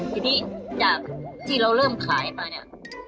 ทีนี้จากที่เราเริ่มขายมาเนี่ย